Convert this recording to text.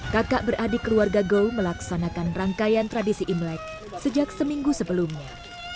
kakak beradik keluarga go melaksanakan rangkaian tradisi imlek sejak seminggu sebelumnya